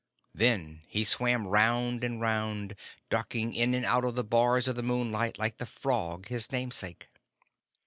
Then he swam round and round, ducking in and out of the bars of the moonlight like the frog, his namesake.